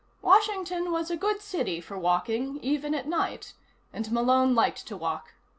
Washington was a good city for walking, even at night, and Malone liked to walk.